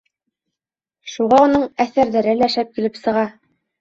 Шуға уның әҫәрҙәре лә шәп килеп сыға.